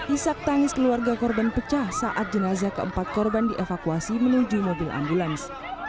isak tangis keluarga korban pecah saat jenazah keempat korban dievakuasi menuju mobil ambulans